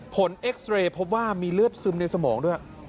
เอ็กซ์เรย์พบว่ามีเลือดซึมในสมองด้วย